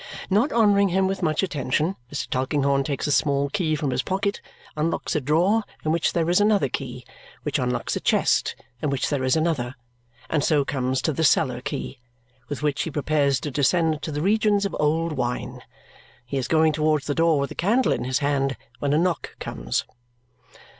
Not honouring him with much attention, Mr. Tulkinghorn takes a small key from his pocket, unlocks a drawer in which there is another key, which unlocks a chest in which there is another, and so comes to the cellar key, with which he prepares to descend to the regions of old wine. He is going towards the door with a candle in his hand when a knock comes.